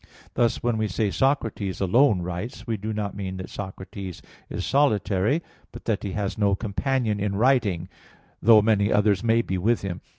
Thus, when we say, "Socrates alone writes," we do not mean that Socrates is solitary, but that he has no companion in writing, though many others may be with him.